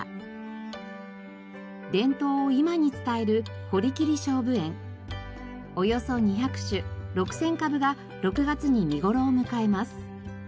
伝統を今に伝えるおよそ２００種６０００株が６月に見頃を迎えます。